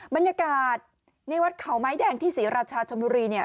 บรรยากาศในวัดขาวไม้แดงที่ศิราชชมุรี